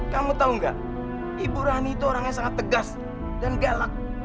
kamu tahu gak ibu rani itu orang yang sangat tegas dan galak